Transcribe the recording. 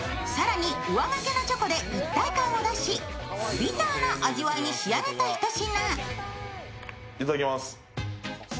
更に、上がけのチョコで一体感を出し、ビターな味わいに仕上げたひと品。